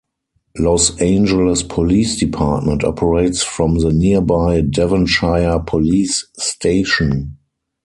Los Angeles Police Department operates from the nearby Devonshire Police Station.